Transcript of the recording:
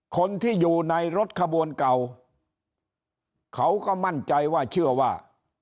คนที่อยู่ในรถขบวนเก่าเขาก็มั่นใจว่าเชื่อว่า